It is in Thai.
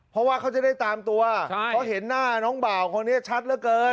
เพราะว่าเขาจะได้ตามตัวเพราะเห็นหน้าน้องบ่าวคนนี้ชัดเหลือเกิน